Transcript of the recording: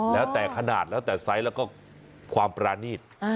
แล้วแต่ขนาดแล้วแต่ไซส์แล้วก็ความปรานีต